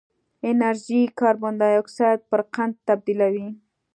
انرژي کاربن ډای اکسایډ پر قند تبدیلوي.